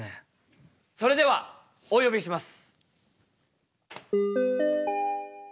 それではお呼びします。